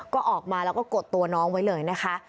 ก็ออกมาแล้วก็กดตัวน้องไว้เลยนะคะ